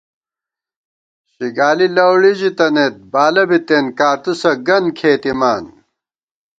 شِگالی لؤڑی ژِی تنَئیت بالہ بِتېن کارتُوسہ گن کھېتِمان